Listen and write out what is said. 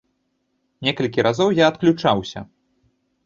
Некалькі разоў я адключаўся.